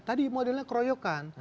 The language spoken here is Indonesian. tadi modelnya keroyokan